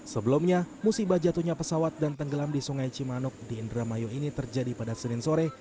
sebelumnya musibah jatuhnya pesawat dan tenggelam di sungai cimanuk di indramayu ini terjadi pada senin sore